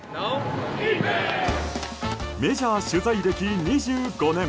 メジャー取材歴２５年。